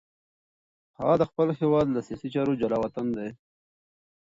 هغه د خپل هېواد له سیاسي چارو جلاوطن دی.